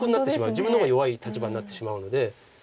自分の方が弱い立場になってしまうので。